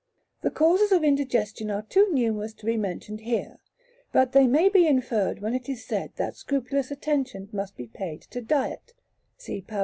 The causes of indigestion are too numerous to be mentioned here, but they may be inferred when it is said that scrupulous attention must be paid to diet (see par.